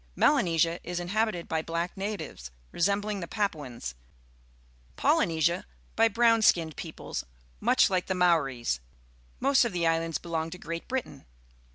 Melanesia is inhabited by black natives, re.sembling 248 PUBLIC SCHOOL GEOGRAPHY the Papuans; Polynesia, by brown skinned peoples much like the Maoris. Most of the islands belong to Great Britain.